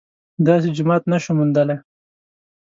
داسې جماعت نه شو موندلای